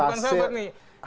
bukan sabar nih